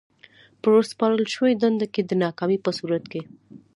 په ورسپارل شوې دنده کې د ناکامۍ په صورت کې.